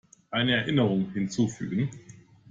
Eine Erinnerung hinzufügen.